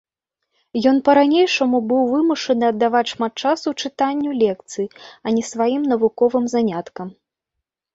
Ён па-ранейшаму быў вымушаны аддаваць шмат часу чытанню лекцый, а не сваім навуковым заняткам.